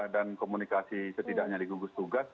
dan komunikasi setidaknya di gugus tugas